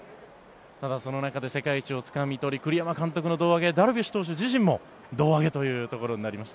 ただその中で世界一をつかみ取り栗山監督を胴上げしダルビッシュ投手自身も胴上げというところになりました。